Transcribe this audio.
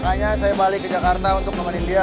makanya saya balik ke jakarta untuk nemenin dia